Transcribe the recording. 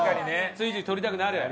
ついつい取りたくなる？